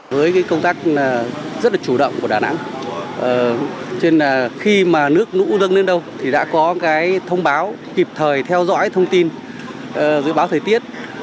với cái công tác rất là chủ động của đà nẵng khi mà nước nũ dâng lên đâu thì đã có cái thông báo kịp thời theo dõi thông tin dưới báo thời tiết